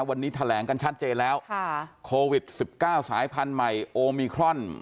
วันนี้แถลงกันชัดเจนแล้วค่ะโควิดสิบเก้าสายพันธุ์ใหม่โอมิครอน